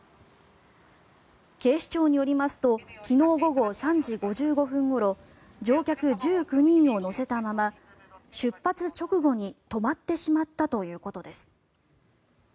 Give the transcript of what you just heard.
警視庁によりますと昨日午後３時５５分ごろ乗客１９人を乗せたまま出発直後に止まってしまったということです。